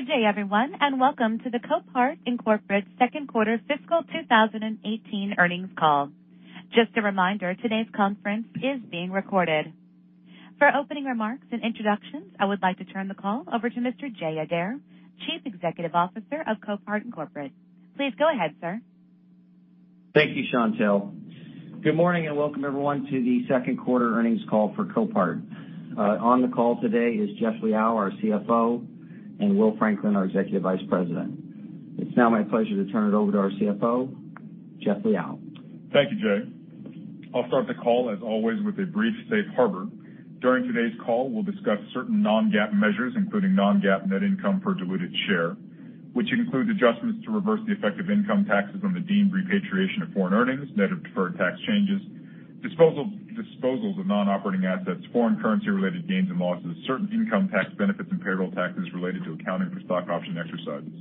Good day everyone, welcome to the Copart Incorporated second quarter fiscal 2018 earnings call. Just a reminder, today's conference is being recorded. For opening remarks and introductions, I would like to turn the call over to Mr. Jay Adair, Chief Executive Officer of Copart Incorporated. Please go ahead, sir. Thank you, Chantelle. Good morning, welcome everyone to the second quarter earnings call for Copart. On the call today is Jeff Liaw, our CFO, Will Franklin, our Executive Vice President. It's now my pleasure to turn it over to our CFO, Jeff Liaw. Thank you, Jay. I'll start the call as always with a brief safe harbor. During today's call, we'll discuss certain non-GAAP measures, including non-GAAP net income per diluted share, which includes adjustments to reverse the effective income taxes on the deemed repatriation of foreign earnings, net of deferred tax changes, disposals of non-operating assets, foreign currency related gains and losses, certain income tax benefits, payroll taxes related to accounting for stock option exercises.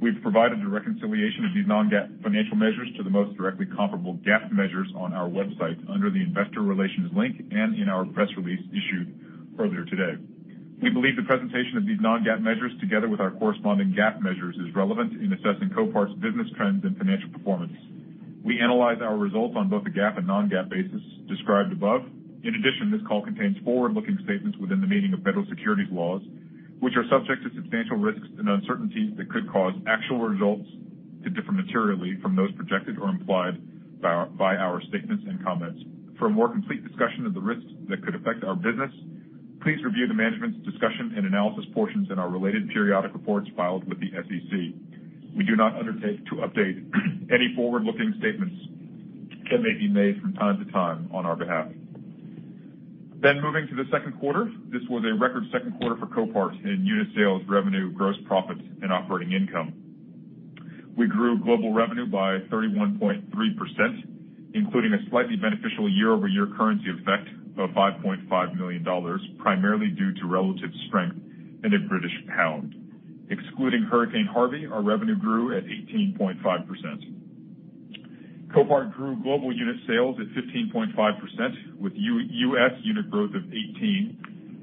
We've provided a reconciliation of these non-GAAP financial measures to the most directly comparable GAAP measures on our website under the investor relations link in our press release issued earlier today. We believe the presentation of these non-GAAP measures together with our corresponding GAAP measures is relevant in assessing Copart's business trends and financial performance. We analyze our results on both a GAAP non-GAAP basis described above. In addition, this call contains forward-looking statements within the meaning of federal securities laws, which are subject to substantial risks and uncertainties that could cause actual results to differ materially from those projected or implied by our statements and comments. For a more complete discussion of the risks that could affect our business, please review the management's discussion and analysis portions in our related periodic reports filed with the SEC. We do not undertake to update any forward-looking statements that may be made from time to time on our behalf. Moving to the second quarter. This was a record second quarter for Copart in unit sales revenue, gross profits, operating income. We grew global revenue by 31.3%, including a slightly beneficial year-over-year currency effect of $5.5 million, primarily due to relative strength in the British pound. Excluding Hurricane Harvey, our revenue grew at 18.5%. Copart grew global unit sales at 15.5% with U.S. unit growth of 18%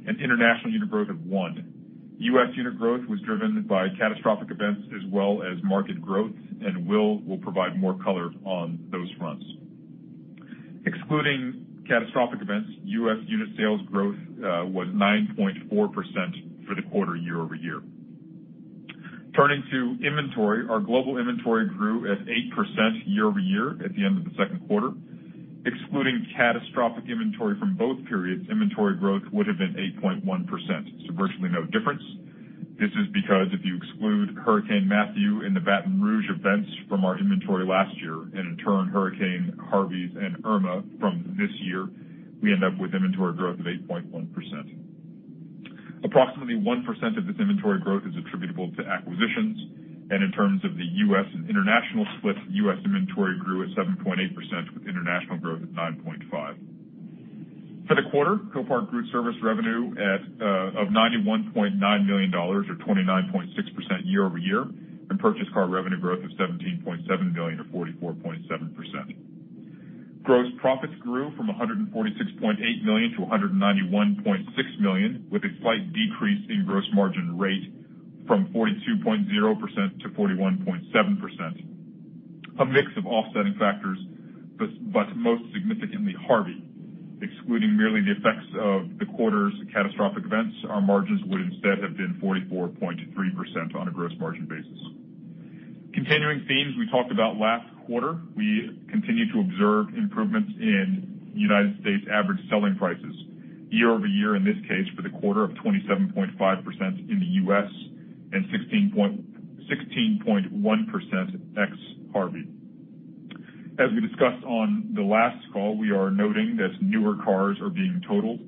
and international unit growth of 1%. U.S. unit growth was driven by catastrophic events as well as market growth, Will will provide more color on those fronts. Excluding catastrophic events, U.S. unit sales growth was 9.4% for the quarter year-over-year. Turning to inventory, our global inventory grew at 8% year-over-year at the end of the second quarter. Excluding catastrophic inventory from both periods, inventory growth would have been 8.1%. Virtually no difference. This is because if you exclude Hurricane Matthew and the Baton Rouge events from our inventory last year, in turn, Hurricane Harvey and Irma from this year, we end up with inventory growth of 8.1%. Approximately 1% of this inventory growth is attributable to acquisitions. In terms of the U.S. and international split, U.S. inventory grew at 7.8% with international growth at 9.5%. For the quarter, Copart grew service revenue of $91.9 million, or 29.6% year-over-year, and purchased car revenue growth of $17.7 million or 44.7%. Gross profits grew from $146.8 million to $191.6 million, with a slight decrease in gross margin rate from 42.0% to 41.7%. A mix of offsetting factors, but most significantly, Harvey. Excluding merely the effects of the quarter's catastrophic events, our margins would instead have been 44.3% on a gross margin basis. Continuing themes we talked about last quarter, we continue to observe improvements in United States average selling prices year-over-year, in this case for the quarter of 27.5% in the U.S. and 16.1% ex Harvey. As we discussed on the last call, we are noting that newer cars are being totaled.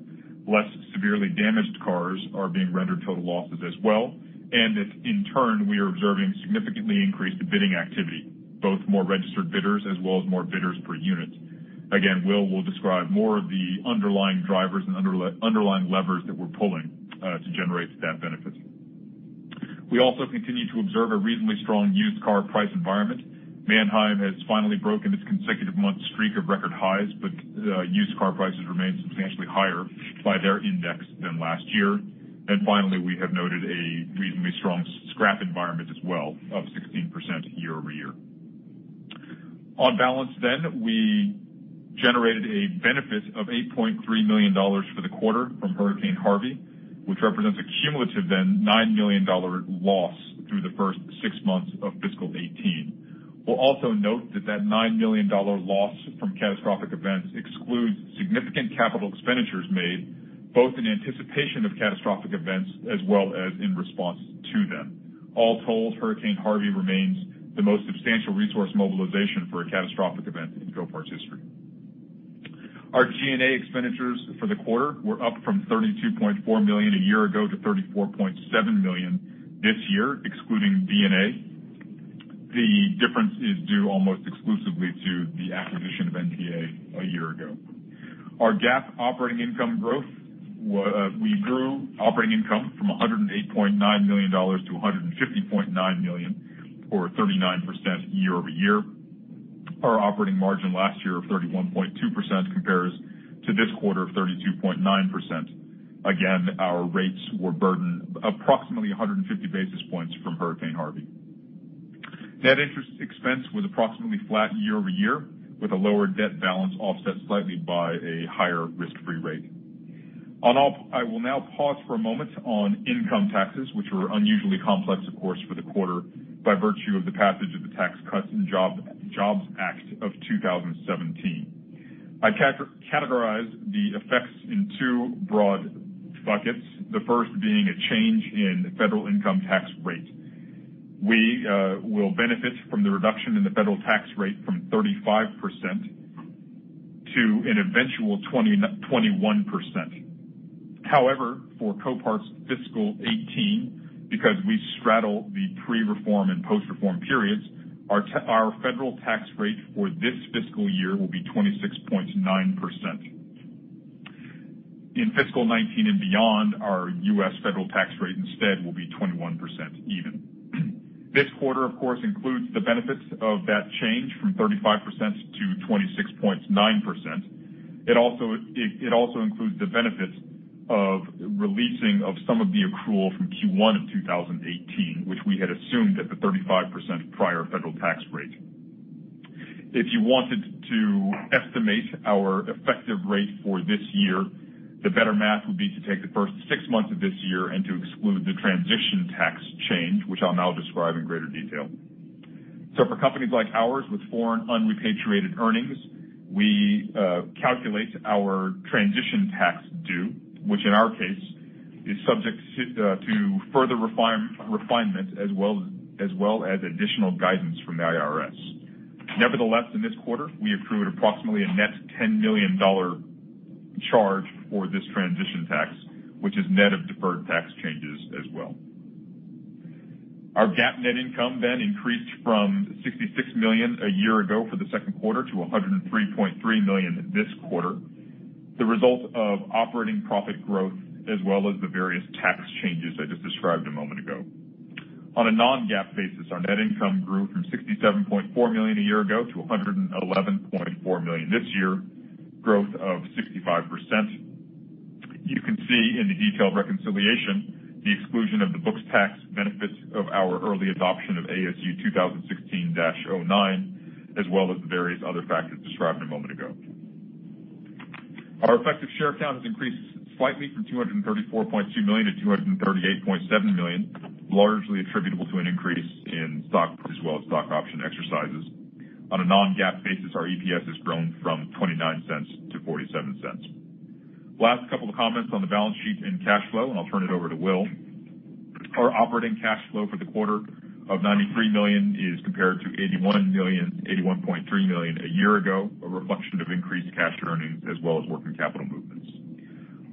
Less severely damaged cars are being rendered total losses as well. That in turn, we are observing significantly increased bidding activity, both more registered bidders as well as more bidders per unit. Again, Will will describe more of the underlying drivers and underlying levers that we're pulling to generate that benefit. We also continue to observe a reasonably strong used car price environment. Manheim has finally broken its consecutive month streak of record highs, used car prices remain substantially higher by their Manheim index than last year. Finally, we have noted a reasonably strong scrap environment as well of 16% year-over-year. On balance then, we generated a benefit of $8.3 million for the quarter from Hurricane Harvey, which represents a cumulative then $9 million loss through the first six months of fiscal 2018. We'll also note that that $9 million loss from catastrophic events excludes significant capital expenditures made, both in anticipation of catastrophic events as well as in response to them. All told, Hurricane Harvey remains the most substantial resource mobilization for a catastrophic event in Copart's history. Our G&A expenditures for the quarter were up from $32.4 million a year ago to $34.7 million this year, excluding D&A. The difference is due almost exclusively to the acquisition of NPA a year ago. Our GAAP operating income growth, we grew operating income from $108.9 million to $150.9 million or 39% year-over-year. Our operating margin last year of 31.2% compares to this quarter of 32.9%. Again, our rates were burdened approximately 150 basis points from Hurricane Harvey. Net interest expense was approximately flat year-over-year, with a lower debt balance offset slightly by a higher risk-free rate. I will now pause for a moment on income taxes, which were unusually complex, of course, for the quarter by virtue of the passage of the Tax Cuts and Jobs Act of 2017. I categorize the effects in two broad buckets, the first being a change in federal income tax rate. We will benefit from the reduction in the federal tax rate from 35% to an eventual 21%. However, for Copart's fiscal 2018, because we straddle the pre-reform and post-reform periods, our federal tax rate for this fiscal year will be 26.9%. In fiscal 2019 and beyond, our U.S. federal tax rate instead will be 21% even. This quarter, of course, includes the benefits of that change from 35% to 26.9%. It also includes the benefits of releasing of some of the accrual from Q1 of 2018, which we had assumed at the 35% prior federal tax rate. For companies like ours with foreign unrepatriated earnings, we calculate our transition tax due, which in our case is subject to further refinement, as well as additional guidance from the IRS. Nevertheless, in this quarter, we accrued approximately a net $10 million charge for this transition tax, which is net of deferred tax changes as well. Our GAAP net income then increased from $66 million a year ago for the second quarter to $103.3 million this quarter, the result of operating profit growth as well as the various tax changes I just described a moment ago. On a non-GAAP basis, our net income grew from $67.4 million a year ago to $111.4 million this year, growth of 65%. You can see in the detailed reconciliation the exclusion of the book's tax benefits of our early adoption of ASU 2016-09, as well as the various other factors described a moment ago. Our effective share count has increased slightly from 234.2 million to 238.7 million, largely attributable to an increase in stock as well as stock option exercises. On a non-GAAP basis, our EPS has grown from $0.29 to $0.47. Last couple of comments on the balance sheet and cash flow, and I'll turn it over to Will. Our operating cash flow for the quarter of $93 million is compared to $81.3 million a year ago, a reflection of increased cash earnings as well as working capital movements.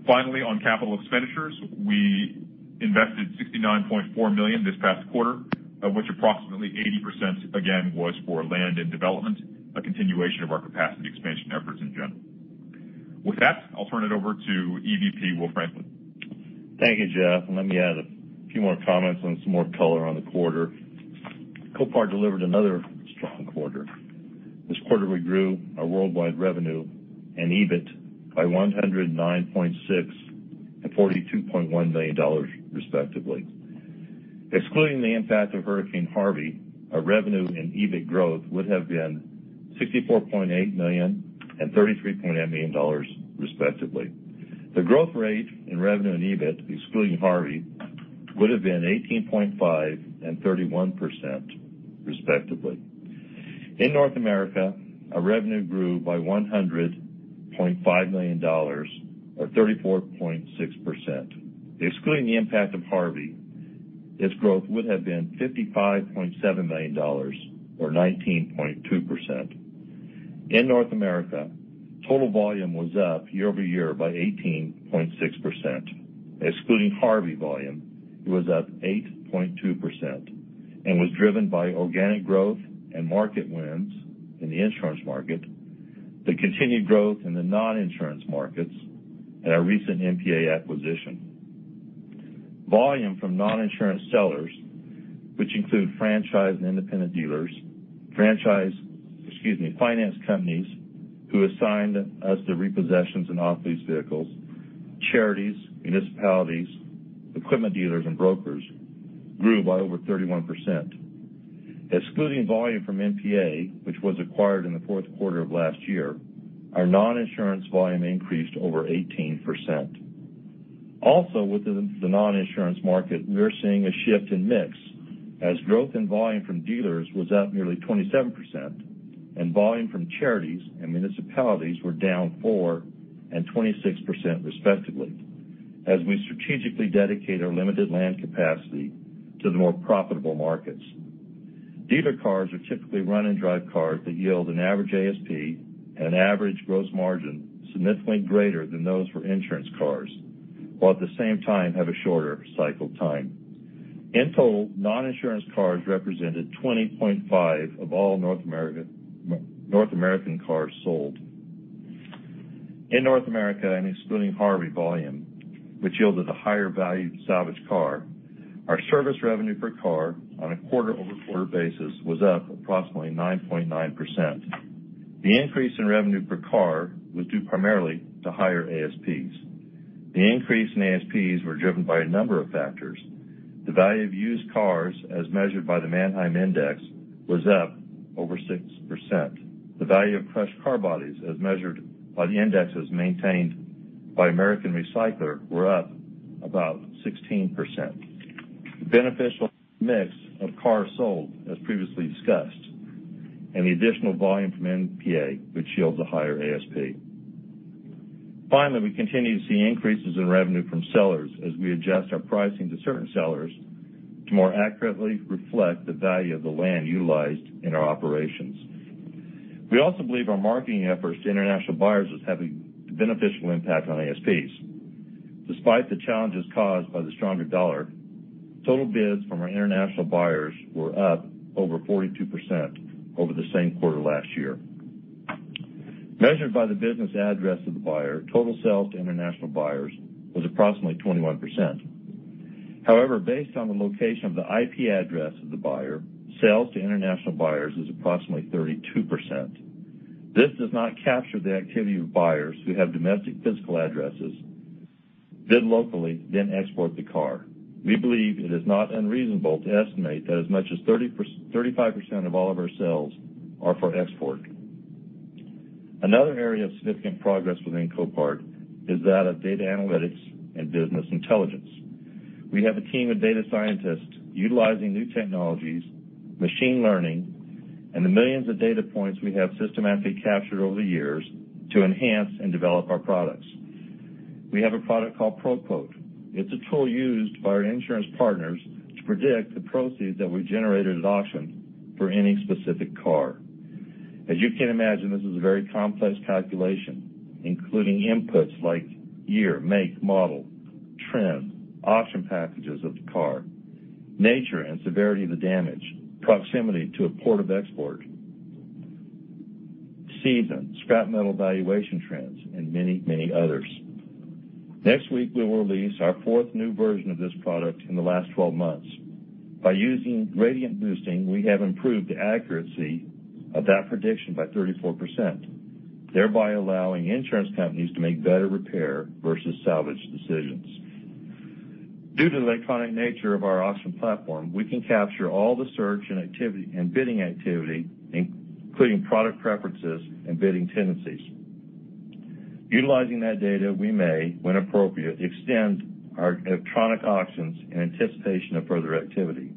Finally, on capital expenditures, we invested $69.4 million this past quarter, of which approximately 80%, again, was for land and development, a continuation of our capacity expansion efforts in general. With that, I'll turn it over to EVP Will Franklin. Thank you, Jeff. Let me add a few more comments and some more color on the quarter. Copart delivered another strong quarter. This quarter, we grew our worldwide revenue and EBIT by $109.6 million and $42.1 million, respectively. Excluding the impact of Hurricane Harvey, our revenue and EBIT growth would have been $64.8 million and $33.8 million, respectively. The growth rate in revenue and EBIT, excluding Harvey, would have been 18.5% and 31%, respectively. In North America, our revenue grew by $100.5 million or 34.6%. Excluding the impact of Harvey, its growth would have been $55.7 million or 19.2%. In North America, total volume was up year-over-year by 18.6%. Excluding Harvey volume, it was up 8.2% and was driven by organic growth and market wins in the insurance market, the continued growth in the non-insurance markets, and our recent NPA acquisition. Volume from non-insurance sellers, which include franchise and independent dealers, finance companies who assigned us the repossessions and off-lease vehicles, charities, municipalities, equipment dealers, and brokers, grew by over 31%. Excluding volume from NPA, which was acquired in the fourth quarter of last year, our non-insurance volume increased over 18%. Also within the non-insurance market, we are seeing a shift in mix as growth in volume from dealers was up nearly 27%, and volume from charities and municipalities were down four% and 26%, respectively, as we strategically dedicate our limited land capacity to the more profitable markets. Dealer cars are typically run and drive cars that yield an average ASP and average gross margin significantly greater than those for insurance cars, while at the same time have a shorter cycle time. In total, non-insurance cars represented 20.5% of all North American cars sold. In North America and excluding Harvey volume, which yielded a higher value of salvaged car, our service revenue per car on a quarter-over-quarter basis was up approximately 9.9%. The increase in revenue per car was due primarily to higher ASPs. The increase in ASPs were driven by a number of factors. The value of used cars, as measured by the Manheim index, was up over 6%. The value of crushed car bodies as measured by the indexes maintained by American Recycler were up about 16%. Beneficial mix of cars sold, as previously discussed, and the additional volume from NPA, which yields a higher ASP. Finally, we continue to see increases in revenue from sellers as we adjust our pricing to certain sellers to more accurately reflect the value of the land utilized in our operations. We also believe our marketing efforts to international buyers is having a beneficial impact on ASPs. Despite the challenges caused by the stronger dollar, total bids from our international buyers were up over 42% over the same quarter last year. Measured by the business address of the buyer, total sales to international buyers was approximately 21%. However, based on the location of the IP address of the buyer, sales to international buyers is approximately 32%. This does not capture the activity of buyers who have domestic physical addresses, bid locally, then export the car. We believe it is not unreasonable to estimate that as much as 35% of all of our sales are for export. Another area of significant progress within Copart is that of data analytics and business intelligence. We have a team of data scientists utilizing new technologies, machine learning, and the millions of data points we have systematically captured over the years to enhance and develop our products. We have a product called ProQuote. It's a tool used by our insurance partners to predict the proceeds that we generated at auction for any specific car. As you can imagine, this is a very complex calculation, including inputs like year, make, model, trim, auction packages of the car, nature and severity of the damage, proximity to a port of export, season, scrap metal valuation trends, and many others. Next week, we will release our fourth new version of this product in the last 12 months. By using gradient boosting, we have improved the accuracy of that prediction by 34%, thereby allowing insurance companies to make better repair versus salvage decisions. Due to the electronic nature of our auction platform, we can capture all the search and bidding activity, including product preferences and bidding tendencies. Utilizing that data, we may, when appropriate, extend our electronic auctions in anticipation of further activity.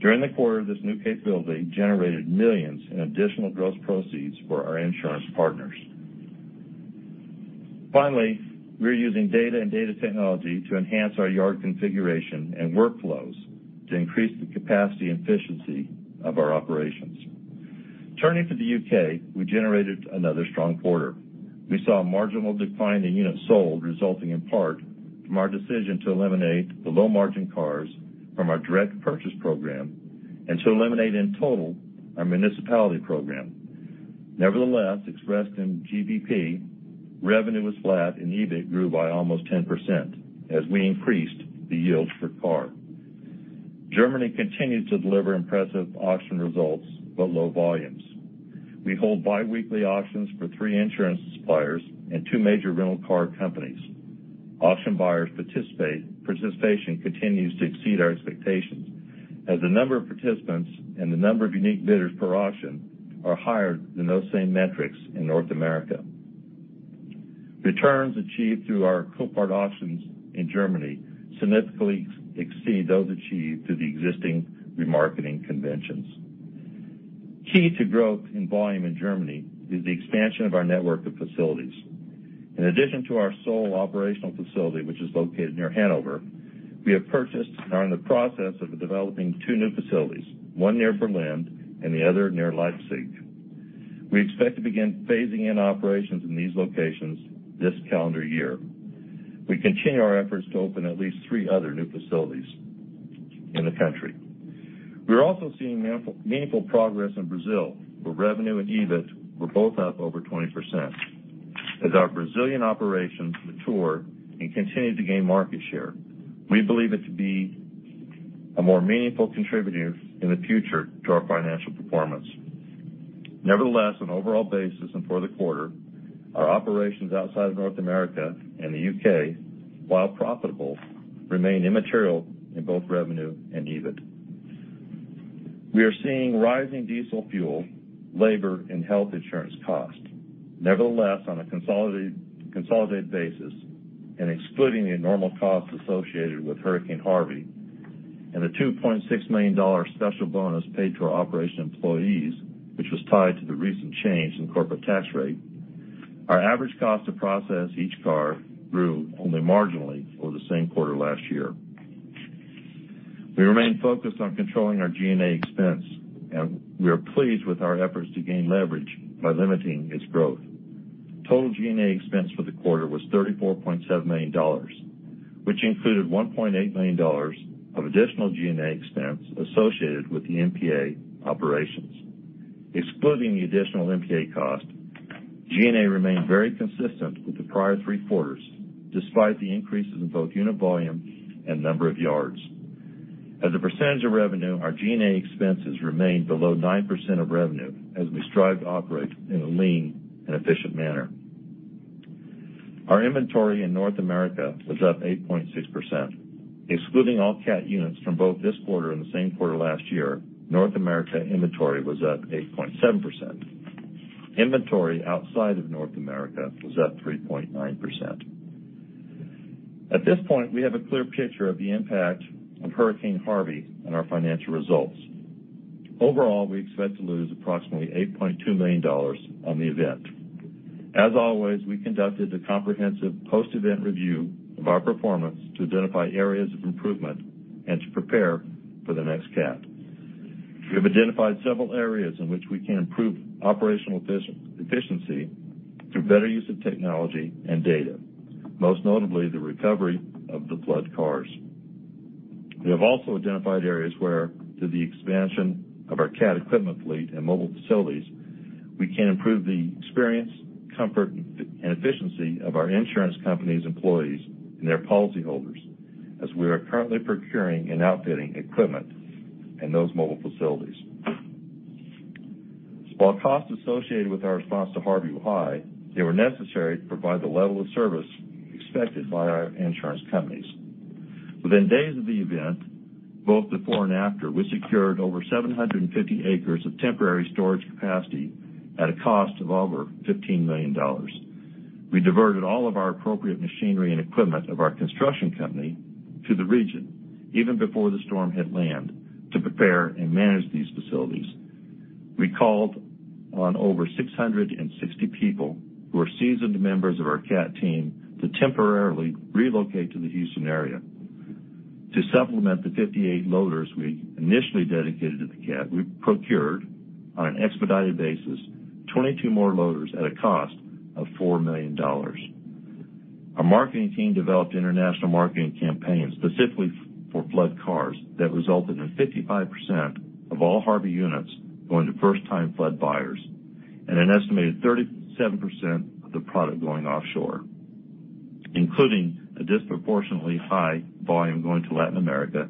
During the quarter, this new capability generated $ millions in additional gross proceeds for our insurance partners. Finally, we are using data and data technology to enhance our yard configuration and workflows to increase the capacity and efficiency of our operations. Turning to the U.K., we generated another strong quarter. We saw a marginal decline in units sold, resulting in part from our decision to eliminate the low-margin cars from our direct purchase program and to eliminate in total our municipality program. Nevertheless, expressed in GBP, revenue was flat and EBIT grew by almost 10% as we increased the yield per car. Germany continues to deliver impressive auction results but low volumes. We hold biweekly auctions for three insurance suppliers and two major rental car companies. Auction buyers' participation continues to exceed our expectations as the number of participants and the number of unique bidders per auction are higher than those same metrics in North America. Returns achieved through our Copart auctions in Germany significantly exceed those achieved through the existing remarketing conventions. Key to growth in volume in Germany is the expansion of our network of facilities. In addition to our sole operational facility, which is located near Hanover, we have purchased and are in the process of developing two new facilities, one near Berlin and the other near Leipzig. We expect to begin phasing in operations in these locations this calendar year. We continue our efforts to open at least three other new facilities in the country. We are also seeing meaningful progress in Brazil, where revenue and EBIT were both up over 20%. As our Brazilian operations mature and continue to gain market share, we believe it to be a more meaningful contributor in the future to our financial performance. Nevertheless, on an overall basis and for the quarter, our operations outside of North America and the U.K., while profitable, remain immaterial in both revenue and EBIT. We are seeing rising diesel fuel, labor, and health insurance costs. Nevertheless, on a consolidated basis and excluding the abnormal costs associated with Hurricane Harvey and the $2.6 million special bonus paid to our operation employees, which was tied to the recent change in corporate tax rate, our average cost to process each car grew only marginally over the same quarter last year. We remain focused on controlling our G&A expense, and we are pleased with our efforts to gain leverage by limiting its growth. Total G&A expense for the quarter was $34.7 million. It included $1.8 million of additional G&A expense associated with the NPA operations. Excluding the additional NPA cost, G&A remained very consistent with the prior three quarters, despite the increases in both unit volume and number of yards. As a percentage of revenue, our G&A expenses remained below 9% of revenue as we strive to operate in a lean and efficient manner. Our inventory in North America was up 8.6%. Excluding all CAT units from both this quarter and the same quarter last year, North America inventory was up 8.7%. Inventory outside of North America was up 3.9%. At this point, we have a clear picture of the impact of Hurricane Harvey on our financial results. Overall, we expect to lose approximately $8.2 million on the event. As always, we conducted a comprehensive post-event review of our performance to identify areas of improvement and to prepare for the next CAT. We have identified several areas in which we can improve operational efficiency through better use of technology and data, most notably the recovery of the flood cars. We have also identified areas where, through the expansion of our CAT equipment fleet and mobile facilities, we can improve the experience, comfort, and efficiency of our insurance companies' employees and their policyholders, as we are currently procuring and outfitting equipment in those mobile facilities. While costs associated with our response to Harvey were high, they were necessary to provide the level of service expected by our insurance companies. Within days of the event, both before and after, we secured over 750 acres of temporary storage capacity at a cost of over $15 million. We diverted all of our appropriate machinery and equipment of our construction company to the region even before the storm hit land to prepare and manage these facilities. We called on over 660 people, who are seasoned members of our CAT team, to temporarily relocate to the Houston area. To supplement the 58 loaders we initially dedicated to the CAT, we procured on an expedited basis 22 more loaders at a cost of $4 million. Our marketing team developed international marketing campaigns specifically for flood cars that resulted in 55% of all Harvey units going to first-time flood buyers and an estimated 37% of the product going offshore, including a disproportionately high volume going to Latin America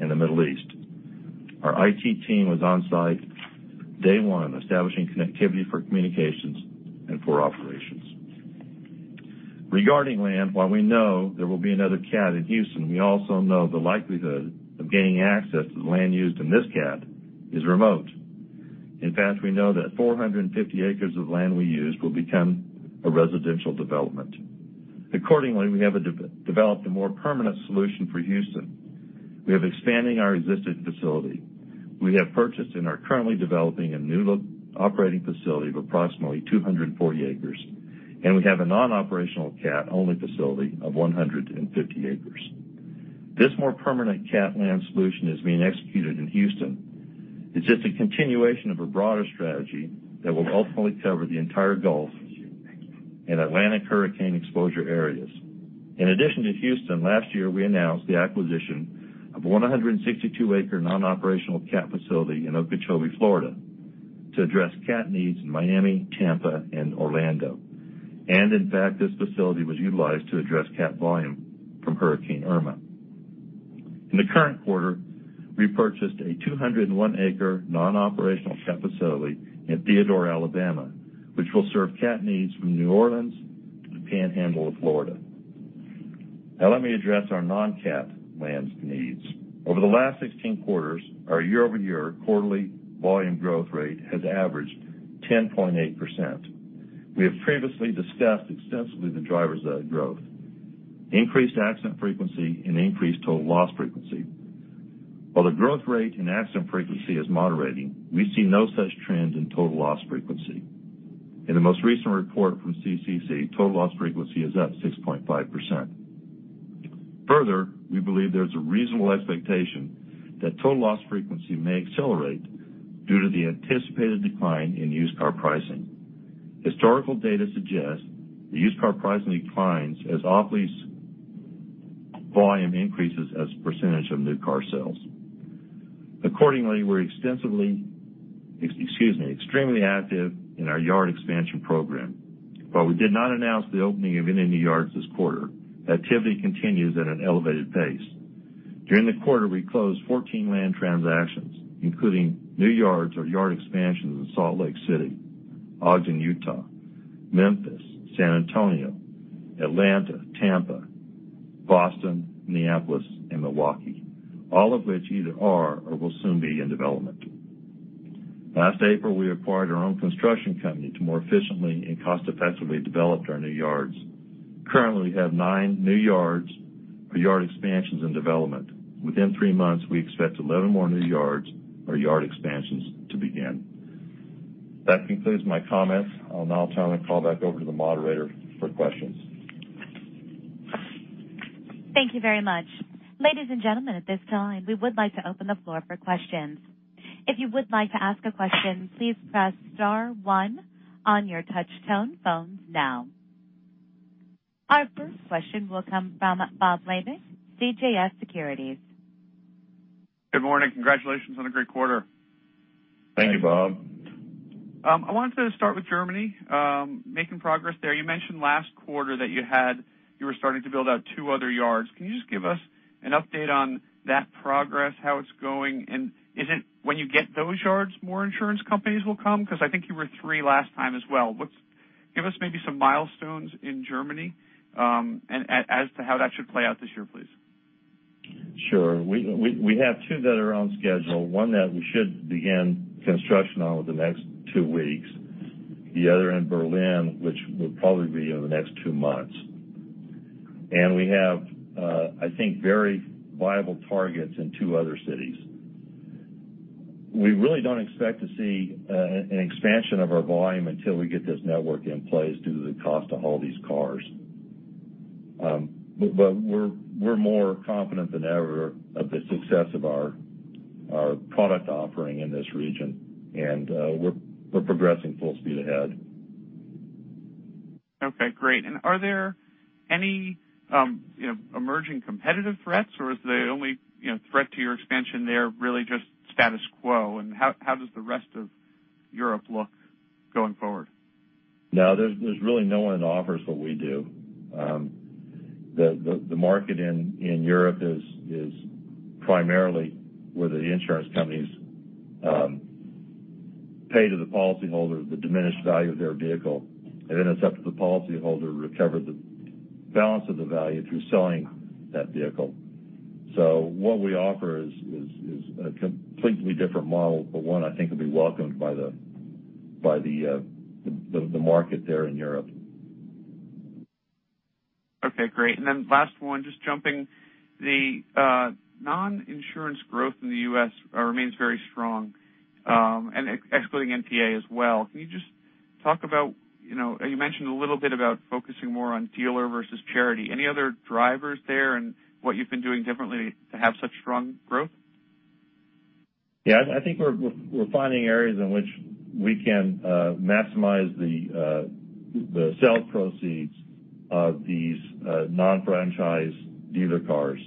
and the Middle East. Our IT team was on-site day one, establishing connectivity for communications and for operations. Regarding land, while we know there will be another CAT in Houston, we also know the likelihood of gaining access to the land used in this CAT is remote. In fact, we know that 450 acres of land we used will become a residential development. Accordingly, we have developed a more permanent solution for Houston. We are expanding our existing facility. We have purchased and are currently developing a new operating facility of approximately 240 acres, and we have a non-operational CAT-only facility of 150 acres. This more permanent CAT land solution is being executed in Houston. It's just a continuation of a broader strategy that will ultimately cover the entire Gulf and Atlantic hurricane exposure areas. In addition to Houston, last year, we announced the acquisition of a 162 acres non-operational CAT facility in Okeechobee, Florida, to address CAT needs in Miami, Tampa, and Orlando. In fact, this facility was utilized to address CAT volume from Hurricane Irma. In the current quarter, we purchased a 201 acres non-operational CAT facility in Theodore, Alabama, which will serve CAT needs from New Orleans to the Panhandle of Florida. Let me address our non-CAT land needs. Over the last 16 quarters, our year-over-year quarterly volume growth rate has averaged 10.8%. We have previously discussed extensively the drivers of that growth: increased accident frequency and increased total loss frequency. While the growth rate in accident frequency is moderating, we see no such trends in total loss frequency. In the most recent report from CCC, total loss frequency is up 6.5%. Further, we believe there's a reasonable expectation that total loss frequency may accelerate due to the anticipated decline in used car pricing. Historical data suggests that used car pricing declines as off-lease volume increases as a percentage of new car sales. We're extremely active in our yard expansion program. While we did not announce the opening of any new yards this quarter, activity continues at an elevated pace. During the quarter, we closed 14 land transactions, including new yards or yard expansions in Salt Lake City; Ogden, Utah; Memphis; San Antonio; Atlanta; Tampa; Boston; Minneapolis; and Milwaukee, all of which either are or will soon be in development. Last April, we acquired our own construction company to more efficiently and cost-effectively develop our new yards. Currently, we have nine new yards or yard expansions in development. Within three months, we expect 11 more new yards or yard expansions to begin. That concludes my comments. I'll now turn the call back over to the moderator for questions. Thank you very much. Ladies and gentlemen, at this time, we would like to open the floor for questions. If you would like to ask a question, please press star one on your touch-tone phones now. Our first question will come from Bob Labick, CJS Securities. Good morning. Congratulations on a great quarter. Thank you, Bob. I wanted to start with Germany, making progress there. You mentioned last quarter that you were starting to build out two other yards. Can you just give us an update on that progress, how it's going, and is it when you get those yards, more insurance companies will come? Because I think you were three last time as well. Give us maybe some milestones in Germany, as to how that should play out this year, please. Sure. We have two that are on schedule. One that we should begin construction on over the next two weeks, the other in Berlin, which will probably be in the next two months. We have, I think, very viable targets in two other cities. We really don't expect to see an expansion of our volume until we get this network in place due to the cost to haul these cars. We're more confident than ever of the success of our product offering in this region, and we're progressing full speed ahead. Okay, great. Are there any emerging competitive threats, or is the only threat to your expansion there really just status quo? How does the rest of Europe look going forward? No, there's really no one that offers what we do. The market in Europe is primarily where the insurance companies pay to the policyholder the diminished value of their vehicle, then it's up to the policyholder to recover the balance of the value through selling that vehicle. What we offer is a completely different model, but one I think will be welcomed by the market there in Europe. Okay, great. Last one, just jumping. The non-insurance growth in the U.S. remains very strong, excluding NPA as well. You mentioned a little bit about focusing more on dealer versus charity. Any other drivers there and what you've been doing differently to have such strong growth? Yeah, I think we're finding areas in which we can maximize the sale proceeds of these non-franchise dealer cars.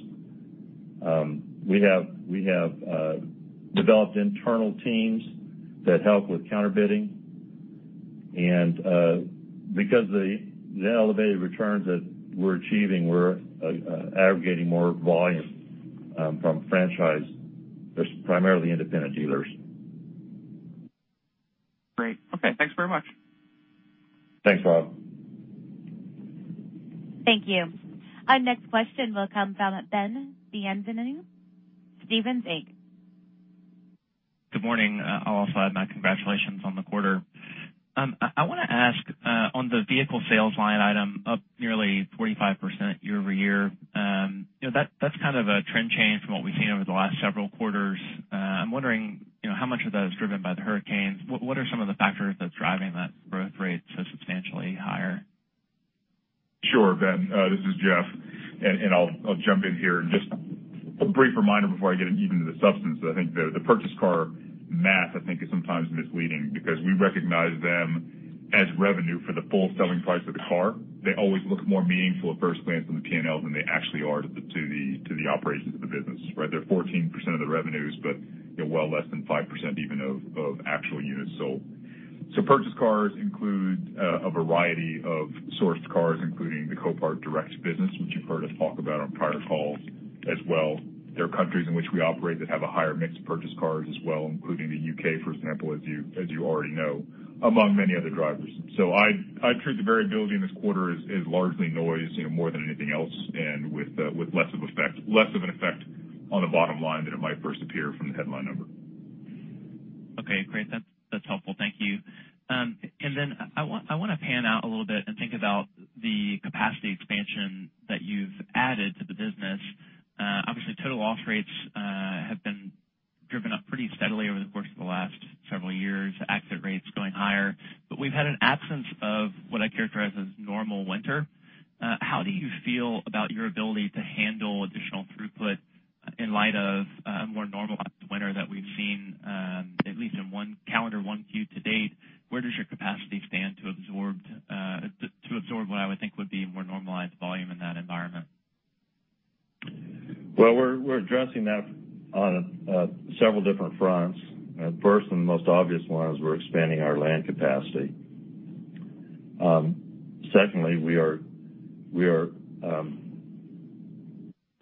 We have developed internal teams that help with counter bidding, because of the elevated returns that we're achieving, we're aggregating more volume from franchise, primarily independent dealers. Great. Okay. Thanks very much. Thanks, Bob Labick. Thank you. Our next question will come from Ben Bienvenu, Stephens Inc. Good morning. I'll also add my congratulations on the quarter. I want to ask on the vehicle sales line item up nearly 45% year-over-year. That's kind of a trend change from what we've seen over the last several quarters. I'm wondering how much of that is driven by the hurricanes. What are some of the factors that's driving that growth rate so substantially higher? Sure, Ben Bienvenu. This is Jeff, and I'll jump in here. Just a brief reminder before I get even to the substance. The purchase car math, I think is sometimes misleading because we recognize them as revenue for the full selling price of the car. They always look more meaningful at first glance on the P&Ls than they actually are to the operations of the business. They're 14% of the revenues, but they're well less than 5% even of actual units sold. Purchase cars include a variety of sourced cars, including the Copart Direct business, which you've heard us talk about on prior calls as well. There are countries in which we operate that have a higher mix of purchase cars as well, including the U.K., for example, as you already know, among many other drivers. I treat the variability in this quarter as largely noise more than anything else, and with less of an effect on the bottom line than it might first appear from the headline number. Okay, great. That's helpful. Thank you. I want to pan out a little bit and think about the capacity expansion that you've added to the business. Obviously, total loss rates have been driven up pretty steadily over the course of the last several years, accident rates going higher. We've had an absence of what I characterize as normal winter. How do you feel about your ability to handle additional throughput in light of a more normalized winter that we've seen, at least in one calendar, one Q to date, where does your capacity stand to absorb what I would think would be more normalized volume in that environment? Well, we're addressing that on several different fronts. First, and the most obvious one is we're expanding our land capacity. Secondly, we are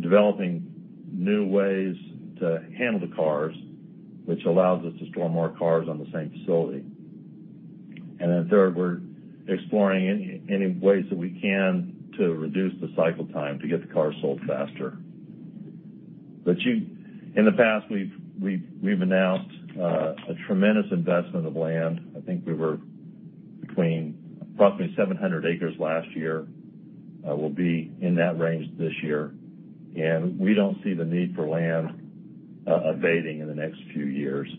developing new ways to handle the cars, which allows us to store more cars on the same facility. Third, we're exploring any ways that we can to reduce the cycle time to get the car sold faster. In the past, we've announced a tremendous investment of land. I think we were between approximately 700 acres last year. We'll be in that range this year, and we don't see the need for land abating in the next few years.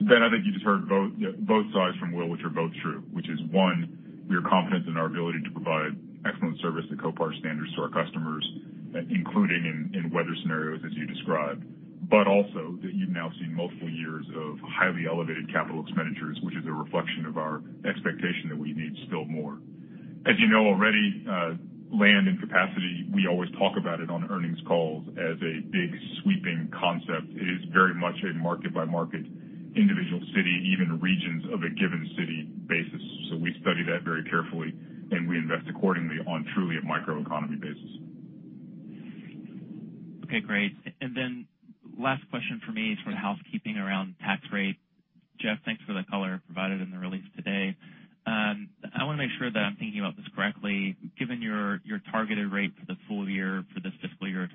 Ben, I think you just heard both sides from Will, which are both true, which is one, we are confident in our ability to provide excellent service to Copart standards to our customers, including in weather scenarios as you described, but also that you've now seen multiple years of highly elevated capital expenditures, which is a reflection of our expectation that we need still more. As you know already, land and capacity, we always talk about it on earnings calls as a big sweeping concept. It is very much a market-by-market, individual city, even regions of a given city basis. We study that very carefully and we invest accordingly on truly a microeconomy basis. Last question for me is for the housekeeping around tax rate. Jeff, thanks for the color provided in the release today. I want to make sure that I'm thinking about this correctly. Given your targeted rate for the full year for this fiscal year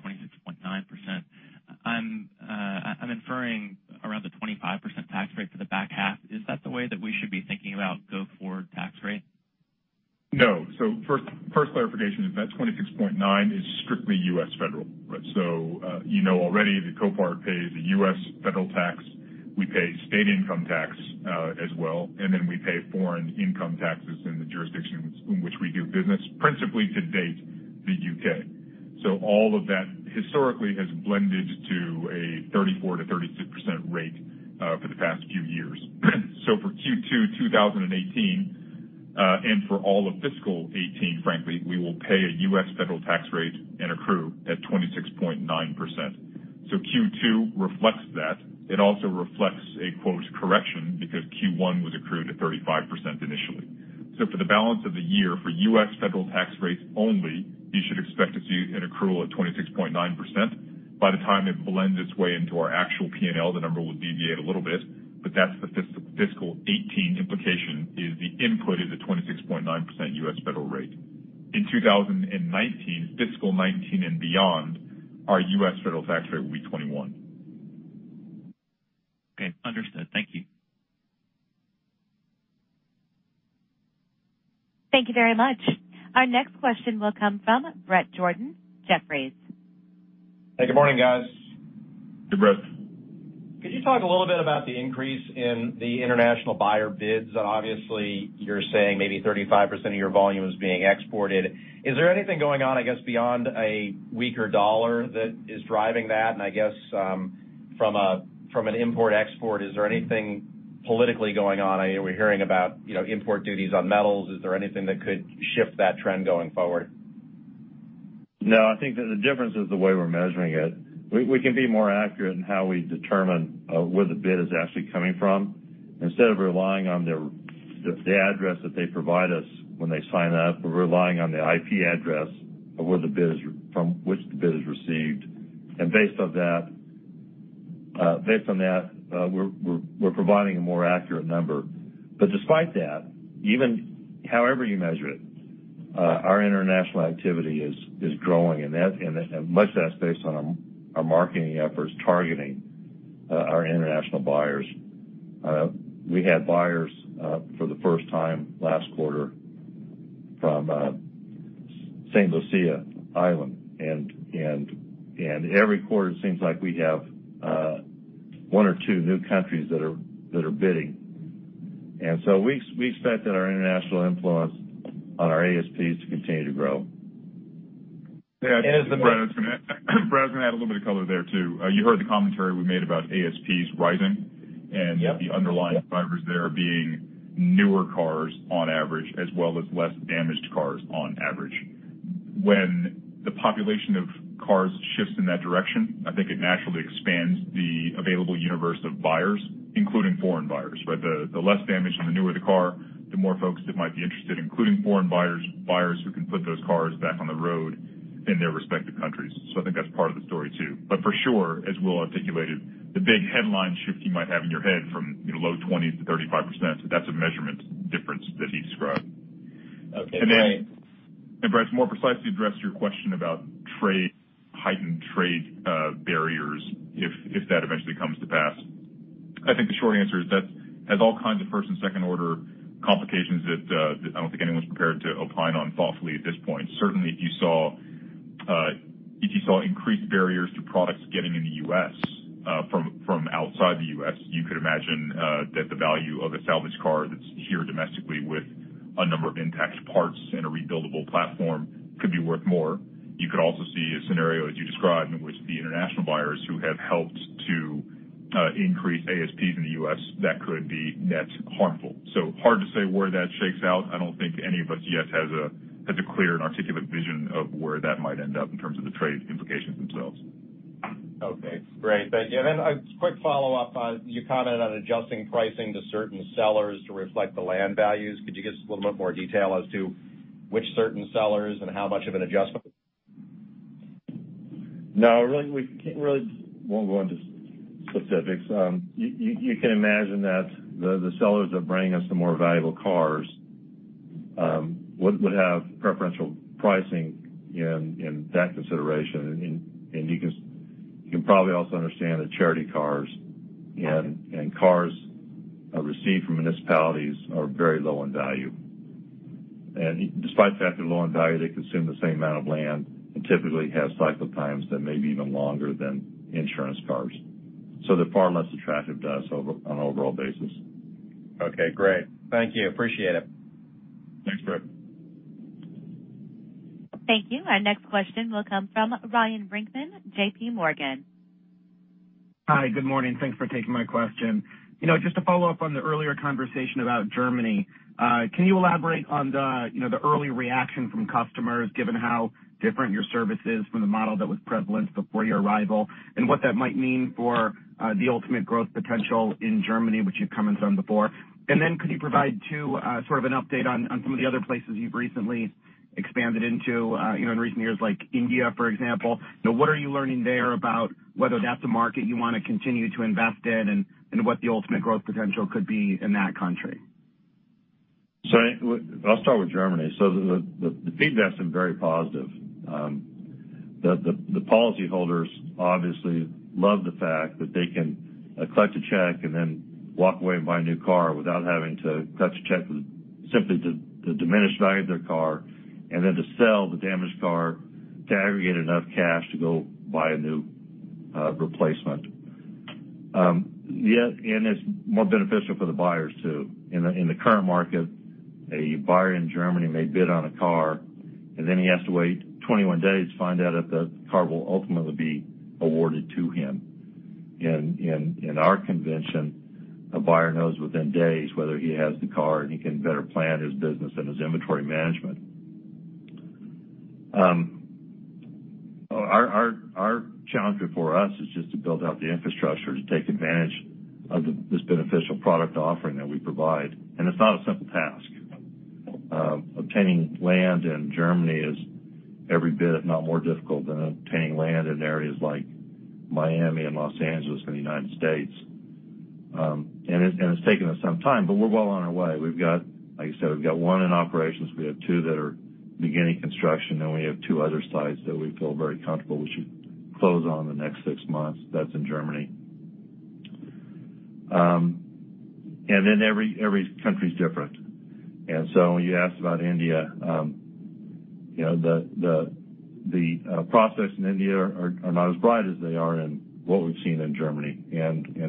of 26.9%, I'm inferring around the 25% tax rate for the back half. Is that the way that we should be thinking about go-forward tax rate? No. First clarification is that 26.9 is strictly U.S. federal. You know already that Copart pays a U.S. federal tax. We pay state income tax as well, and then we pay foreign income taxes in the jurisdictions in which we do business, principally to date, the U.K. All of that historically has blended to a 34%-36% rate for the past few years. For Q2 2018, and for all of fiscal 2018, frankly, we will pay a U.S. federal tax rate and accrue at 26.9%. Q2 reflects that. It also reflects a quote, "correction," because Q1 was accrued at 35% initially. For the balance of the year, for U.S. federal tax rates only, you should expect to see an accrual of 26.9%. By the time it blends its way into our actual P&L, the number will deviate a little bit, but that's the fiscal 2018 implication is the input is a 26.9% U.S. federal rate. In 2019, fiscal 2019 and beyond, our U.S. federal tax rate will be 21%. Okay, understood. Thank you. Thank you very much. Our next question will come from Bret Jordan, Jefferies. Hey, good morning, guys. Hey, Bret. Could you talk a little bit about the increase in the international buyer bids? Obviously, you are saying maybe 35% of your volume is being exported. Is there anything going on, I guess, beyond a weaker dollar that is driving that? I guess from an import-export, is there anything politically going on? We are hearing about import duties on metals. Is there anything that could shift that trend going forward? I think that the difference is the way we are measuring it. We can be more accurate in how we determine where the bid is actually coming from. Instead of relying on the address that they provide us when they sign up, we are relying on the IP address from which the bid is received. Based on that, we are providing a more accurate number. Despite that, however you measure it, our international activity is growing, and much of that is based on our marketing efforts targeting our international buyers. We had buyers for the first time last quarter from Saint Lucia Island, and every quarter it seems like we have one or two new countries that are bidding. So we expect that our international influence on our ASPs to continue to grow. Bret, I was going to add a little bit of color there, too. You heard the commentary we made about ASPs rising and the underlying drivers there being newer cars on average, as well as less damaged cars on average. When the population of cars shifts in that direction, I think it naturally expands the available universe of buyers, including foreign buyers, right? The less damage and the newer the car, the more folks that might be interested, including foreign buyers who can put those cars back on the road in their respective countries. I think that's part of the story, too. For sure, as Will articulated, the big headline shift you might have in your head from low 20s to 35%, that's a measurement difference that he described. Okay, great. Bret, to more precisely address your question about heightened trade barriers, if that eventually comes to pass, I think the short answer is that has all kinds of first and second-order complications that I don't think anyone's prepared to opine on thoughtfully at this point. If you saw increased barriers to products getting in the U.S. from outside the U.S., you could imagine that the value of a salvaged car that's here domestically with a number of intact parts and a rebuildable platform could be worth more. You could also see a scenario, as you described, in which the international buyers who have helped to increase ASP in the U.S., that could be net harmful. Hard to say where that shakes out. I don't think any of us yet has a clear and articulate vision of where that might end up in terms of the trade implications themselves. Okay, great. Thank you. Then a quick follow-up. You commented on adjusting pricing to certain sellers to reflect the land values. Could you give us a little bit more detail as to which certain sellers and how much of an adjustment? No, we won't go into specifics. You can imagine that the sellers that bring us the more valuable cars would have preferential pricing in that consideration. You can probably also understand that charity cars and cars received from municipalities are very low in value. Despite the fact they're low in value, they consume the same amount of land and typically have cycle times that may be even longer than insurance cars. They're far less attractive to us on an overall basis. Okay, great. Thank you. Appreciate it. Thanks, Bret. Thank you. Our next question will come from Ryan Brinkman, JPMorgan. Hi, good morning. Thanks for taking my question. Just to follow up on the earlier conversation about Germany, can you elaborate on the early reaction from customers given how different your service is from the model that was prevalent before your arrival, and what that might mean for the ultimate growth potential in Germany, which you've commented on before? Could you provide too, sort of an update on some of the other places you've recently expanded into in recent years, like India, for example? What are you learning there about whether that's a market you want to continue to invest in and what the ultimate growth potential could be in that country? I'll start with Germany. The feedback's been very positive. The policy holders obviously love the fact that they can collect a check and then walk away and buy a new car without having to collect a check with simply the diminished value of their car, and then to sell the damaged car to aggregate enough cash to go buy a new replacement. It's more beneficial for the buyers, too. In the current market, a buyer in Germany may bid on a car, and then he has to wait 21 days to find out if the car will ultimately be awarded to him. In our convention, a buyer knows within days whether he has the car, and he can better plan his business and his inventory management. Our challenge before us is just to build out the infrastructure to take advantage of this beneficial product offering that we provide. It's not a simple task. Obtaining land in Germany is every bit, if not more difficult, than obtaining land in areas like Miami and Los Angeles in the U.S. It's taken us some time, but we're well on our way. Like I said, we've got one in operations. We have two that are beginning construction, and we have two other sites that we feel very comfortable, we should close on in the next six months. That's in Germany. Every country's different. When you asked about India, the prospects in India are not as bright as they are in what we've seen in Germany.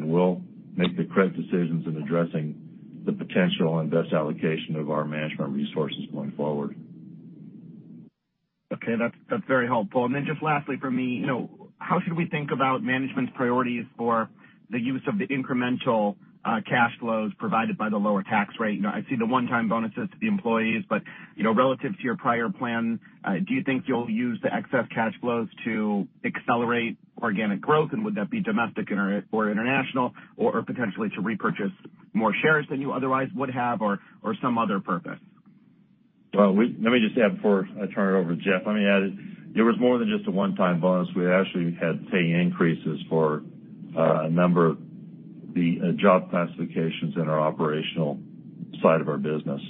We'll make the correct decisions in addressing the potential and best allocation of our management resources going forward. Okay. That's very helpful. Just lastly from me, how should we think about management's priorities for the use of the incremental cash flows provided by the lower tax rate? I see the one-time bonuses to the employees. Relative to your prior plan, do you think you'll use the excess cash flows to accelerate organic growth, would that be domestic or international, or potentially to repurchase more shares than you otherwise would have, or some other purpose? Well, let me just add before I turn it over to Jeff. Let me add, it was more than just a one-time bonus. We actually had pay increases for a number of the job classifications in our operational side of our business.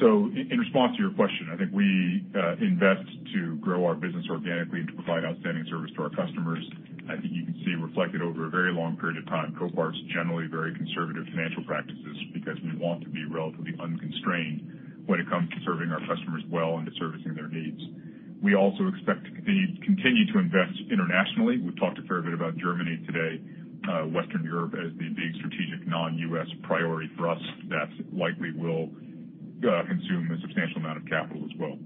In response to your question, I think we invest to grow our business organically and to provide outstanding service to our customers. I think you can see reflected over a very long period of time, Copart's generally very conservative financial practices because we want to be relatively unconstrained when it comes to serving our customers well and to servicing their needs. We also expect to continue to invest internationally. We've talked a fair bit about Germany today, Western Europe as the big strategic non-U.S. priority for us. That likely will consume a substantial amount of capital as well.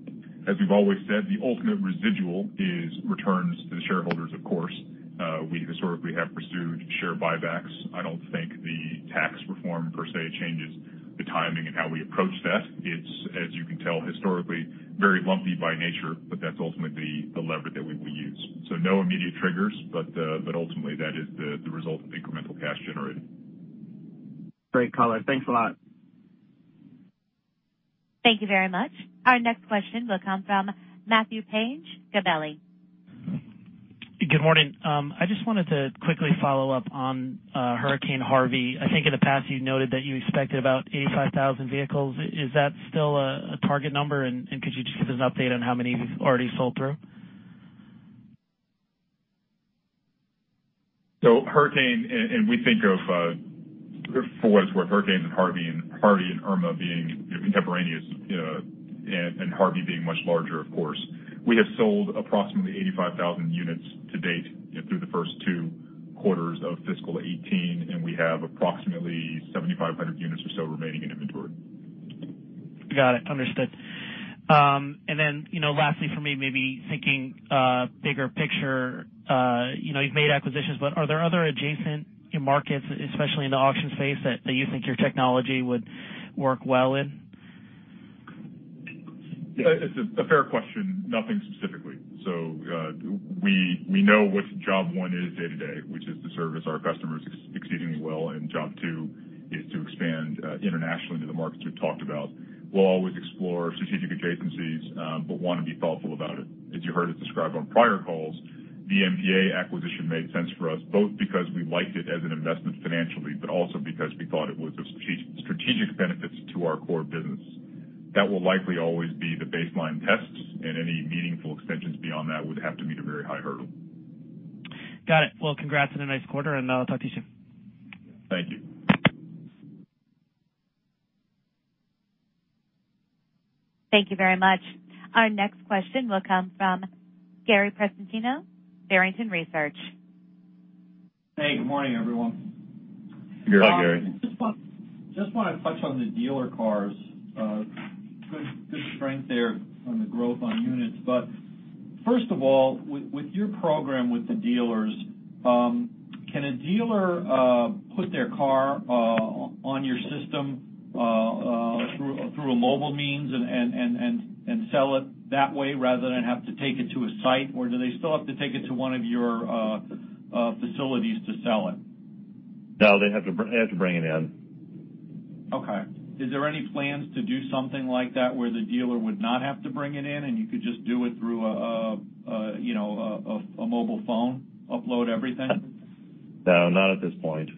As we've always said, the ultimate residual is returns to the shareholders, of course. We historically have pursued share buybacks. I don't think the tax reform per se changes the timing and how we approach that. It's, as you can tell, historically very lumpy by nature, but that's ultimately the lever that we will use. No immediate triggers, but ultimately that is the result of the incremental cash generated. Great color. Thanks a lot. Thank you very much. Our next question will come from Matthew Paige, Gabelli. Good morning. I just wanted to quickly follow up on Hurricane Harvey. I think in the past you noted that you expected about 85,000 vehicles. Is that still a target number, and could you just give us an update on how many you've already sold through? Hurricane, we think of, for what it's worth, hurricanes and Harvey and Irma being contemporaneous, Harvey being much larger, of course. We have sold approximately 85,000 units to date through the first two quarters of fiscal 2018, and we have approximately 7,500 units or so remaining in inventory. Got it. Understood. Then lastly for me, maybe thinking bigger picture. You've made acquisitions, but are there other adjacent markets, especially in the auction space, that you think your technology would work well in? It's a fair question. Nothing specifically. We know what job one is day to day, which is to service our customers exceedingly well, and job two is to expand internationally into the markets we've talked about. We'll always explore strategic adjacencies, but want to be thoughtful about it. As you heard us describe on prior calls, the NPA acquisition made sense for us both because we liked it as an investment financially, but also because we thought it was a strategic benefits to our core business. That will likely always be the baseline test, and any meaningful extensions beyond that would have to meet a very high hurdle. Got it. Congrats on a nice quarter, and I'll talk to you soon. Thank you. Thank you very much. Our next question will come from Gary Prestopino, Barrington Research. Hey, good morning, everyone. Good morning, Gary. Just want to touch on the dealer cars. Good strength there on the growth on units. First of all, with your program with the dealers, can a dealer put their car on your system through a mobile means and sell it that way rather than have to take it to a site, or do they still have to take it to one of your facilities to sell it? No, they have to bring it in. Okay. Is there any plans to do something like that where the dealer would not have to bring it in and you could just do it through a mobile phone, upload everything? No, not at this point.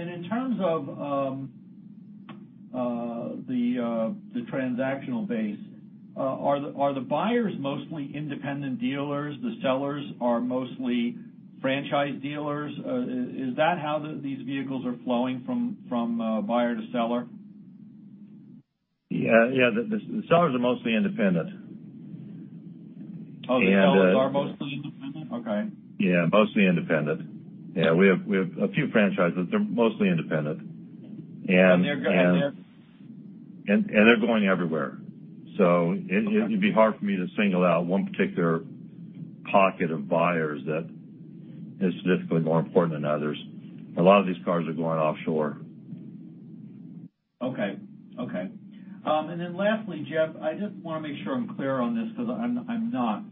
In terms of the transactional base, are the buyers mostly independent dealers? The sellers are mostly franchise dealers? Is that how these vehicles are flowing from buyer to seller? Yeah. The sellers are mostly independent. Oh, the sellers are mostly independent? Okay. Yeah, mostly independent. Yeah, we have a few franchises. They're mostly independent. They're going there? They're going everywhere. It'd be hard for me to single out one particular pocket of buyers that is significantly more important than others. A lot of these cars are going offshore. Okay. Lastly, Jeff, I just want to make sure I'm clear on this because I'm not.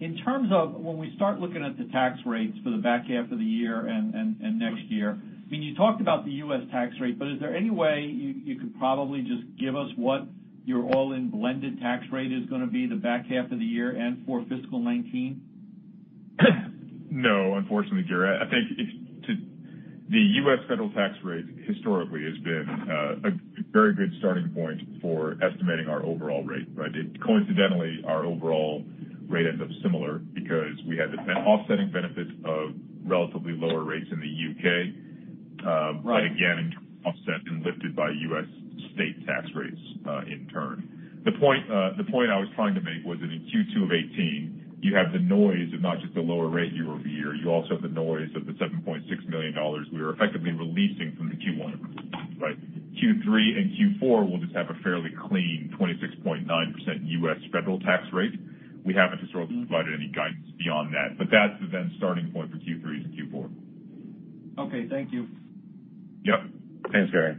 In terms of when we start looking at the tax rates for the back half of the year and next year, you talked about the U.S. tax rate, but is there any way you could probably just give us what your all-in blended tax rate is going to be the back half of the year and for fiscal 2019? No, unfortunately, Gary. I think the U.S. federal tax rate historically has been a very good starting point for estimating our overall rate, coincidentally, our overall rate ends up similar because we had the offsetting benefits of relatively lower rates in the U.K. Right. Again, offset and lifted by U.S. state tax rates in turn. The point I was trying to make was that in Q2 2018, you have the noise of not just the lower rate year-over-year, you also have the noise of the $7.6 million we are effectively releasing from the Q1. Q3 and Q4 will just have a fairly clean 26.9% U.S. federal tax rate. We haven't historically provided any guidance beyond that's the then starting point for Q3 to Q4. Okay, thank you. Yep. Thanks, Gary.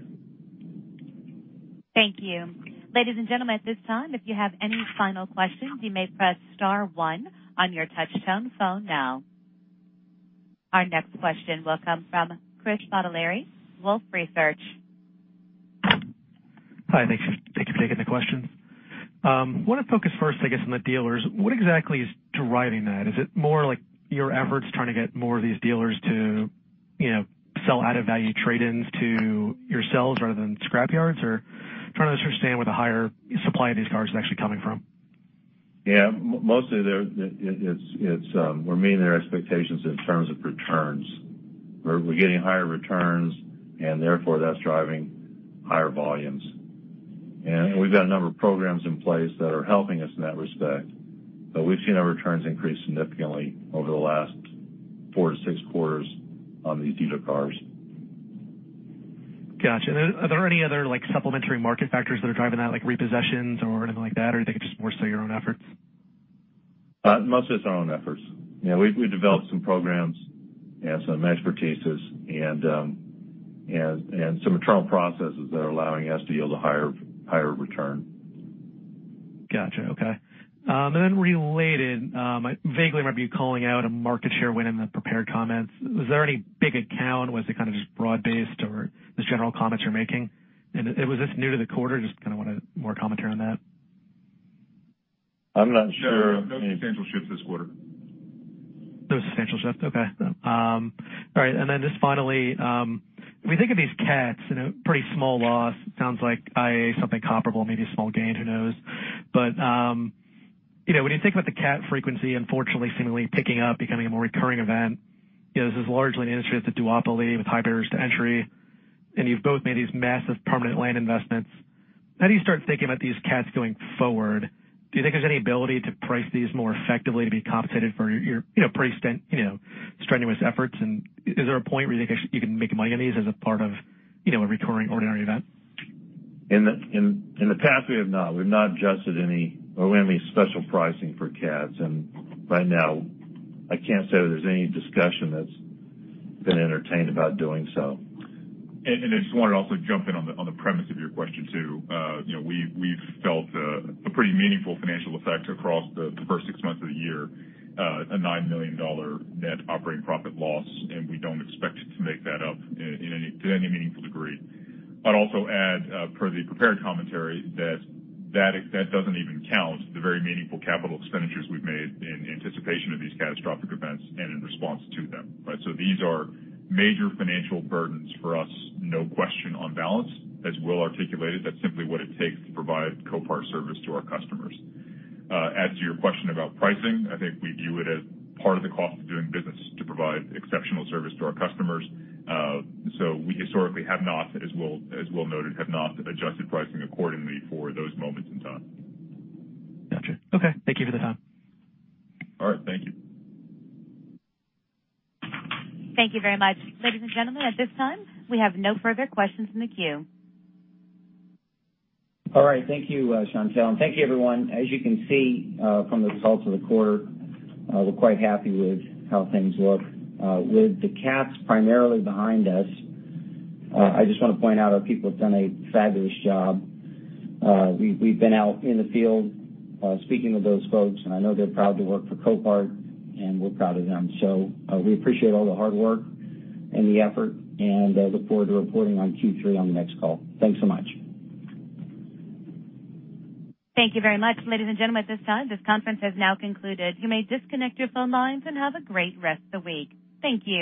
Thank you. Ladies and gentlemen, at this time, if you have any final questions, you may press star one on your touchtone phone now. Our next question will come from Chris Bottiglieri, Wolfe Research. Hi, thanks for taking the questions. I want to focus first on the dealers. What exactly is driving that? Is it more like your efforts trying to get more of these dealers to sell out of value trade-ins to yourselves rather than scrap yards? Trying to understand where the higher supply of these cars is actually coming from. Yeah, mostly we're meeting their expectations in terms of returns. We're getting higher returns, therefore that's driving higher volumes. We've got a number of programs in place that are helping us in that respect, but we've seen our returns increase significantly over the last four to six quarters on these dealer cars. Got you. Are there any other supplementary market factors that are driving that, like repossessions or anything like that, or do you think it is more so your own efforts? Mostly it is our own efforts. We developed some programs and some expertises and some internal processes that are allowing us to yield a higher return. Got you. Okay. Related, vaguely might be calling out a market share win in the prepared comments. Was there any big account? Was it kind of just broad-based or just general comments you are making? Was this new to the quarter? Just kind of wanted more commentary on that. I am not sure. No substantial shift this quarter. No substantial shift. Okay. All right. Then just finally, when we think of these CATs, pretty small loss. Sounds like, i.e., something comparable, maybe a small gain, who knows. When you think about the CAT frequency unfortunately seemingly picking up, becoming a more recurring event, this is largely an industry that's a duopoly with high barriers to entry, and you've both made these massive permanent land investments. How do you start thinking about these CATs going forward? Do you think there's any ability to price these more effectively to be compensated for your pretty strenuous efforts? Is there a point where you think you can make money on these as a part of a recurring ordinary event? In the past, we have not. We've not adjusted any or we have any special pricing for CATs. Right now, I can't say that there's any discussion that's been entertained about doing so. I just wanted to also jump in on the premise of your question, too. We've felt a pretty meaningful financial effect across the first six months of the year, a $9 million net operating profit loss, and we don't expect it to make that up to any meaningful degree. I'd also add, per the prepared commentary, that that doesn't even count the very meaningful capital expenditures we've made in anticipation of these catastrophic events and in response to them. These are major financial burdens for us, no question, on balance. As Will articulated, that's simply what it takes to provide Copart service to our customers. As to your question about pricing, I think we view it as part of the cost of doing business to provide exceptional service to our customers. We historically have not, as Will noted, have not adjusted pricing accordingly for those moments in time. Got you. Okay. Thank you for the time. All right. Thank you. Thank you very much. Ladies and gentlemen, at this time, we have no further questions in the queue. All right. Thank you, Chantelle, and thank you, everyone. As you can see from the results of the quarter, we're quite happy with how things look. With the CATs primarily behind us, I just want to point out our people have done a fabulous job. We've been out in the field speaking with those folks, and I know they're proud to work for Copart, and we're proud of them. We appreciate all the hard work and the effort and look forward to reporting on Q3 on the next call. Thanks so much. Thank you very much. Ladies and gentlemen, at this time, this conference has now concluded. You may disconnect your phone lines and have a great rest of the week. Thank you